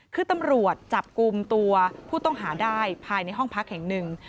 คือตำรวจจับกลุ่มตัวผู้ต้องหาได้ภายในห้องพักแห่งหนึ่ง